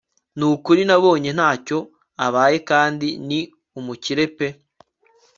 nukuri nabonye ntacyo abaye kandi ni umukire pe